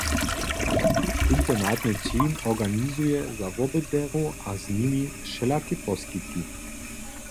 Internatny team organizuje za wobydlerjow a z nimi wšelake poskitki.